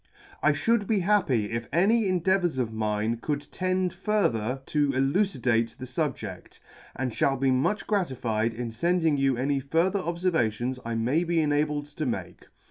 " I fhould be happy if any endeavours of mine could tend further to elucidate the fubjedt, and fhall be much gratified in fending you any further obfervations I may be enabled to make.